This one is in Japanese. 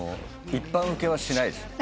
一般ウケはしないです。